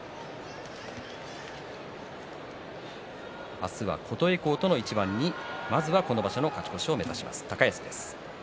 明日は琴恵光との一番にまずはこの場所の勝ち越しを目指す高安です。